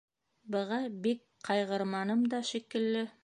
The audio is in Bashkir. Быға бик ҡайғырманым да шикелле.